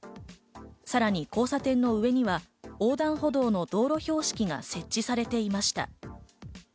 さらに交差点の上には横断歩道の道路標識が設置されていました。